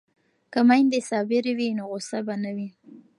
که میندې صابرې وي نو غوسه به نه وي.